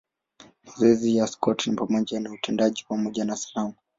Mazoezi ya Scott ni pamoja na utendaji pamoja na sanamu.